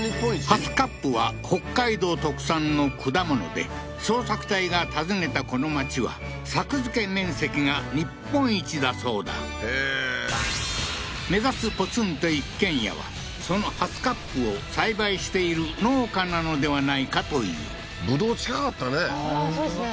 ハスカップは北海道特産の果物で捜索隊が訪ねたこの町は作付面積が日本一だそうだへえー目指すポツンと一軒家はそのハスカップを栽培している農家なのではないかというぶどう近かったねそうですね